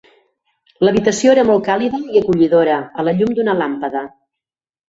L'habitació era molt càlida i acollidora a la llum d'una làmpada.